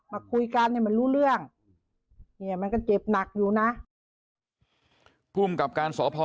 มาคุยกันมันรู้เรื่องมันก็เจ็บหนักอยู่นะกลุ่มกับการสอบพ่อ